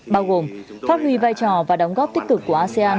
bao gồm phát huy vai trò và đóng góp tích cực của asean